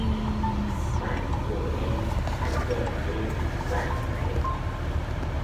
Bạn cùng em ánh đèn đêm bàn máy